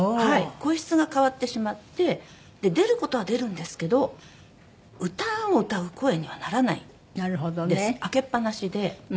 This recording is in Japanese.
声質が変わってしまって出る事は出るんですけど歌を歌う声にはならないんです開けっ放しで。